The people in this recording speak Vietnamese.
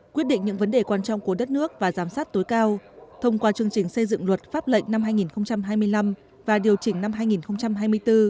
quyết định những vấn đề quan trọng của đất nước và giám sát tối cao thông qua chương trình xây dựng luật pháp lệnh năm hai nghìn hai mươi năm và điều chỉnh năm hai nghìn hai mươi bốn